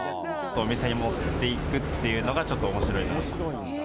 お店に持っていくっていうのがちょっと、おもしろいなと。